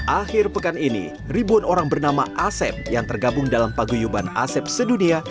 akhir pekan ini ribuan orang bernama asep yang tergabung dalam paguyuban asep sedunia